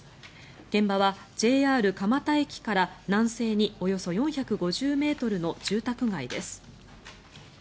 現場はＪＲ蒲田駅から南西におよそ４５０ｍの住宅街です。